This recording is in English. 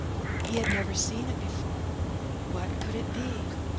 He had never seen it before. What could it be?